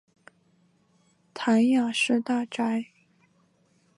谭雅士大宅。